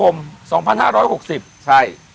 ราศีพฤษศพเมื่อวันที่๑ธันวาคม๒๕๖๐